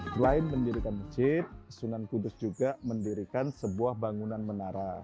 selain mendirikan masjid sunan kudus juga mendirikan sebuah bangunan menara